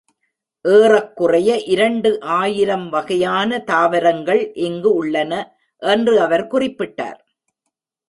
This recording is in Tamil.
ஏறக்குறைய இரண்டு ஆயிரம் வகையான தாவரங்கள் இங்கு உள்ளன என்று அவர் குறிப்பிட்டார்.